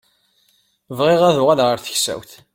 Bɣiɣ ad uɣaleɣ ar teksawt.